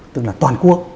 tức là toàn quốc